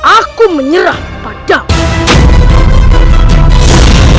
aku menyerah padamu